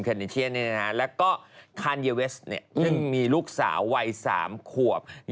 หรือชื่อเป็นนอร์ดเวสต์เป็นสายการบิน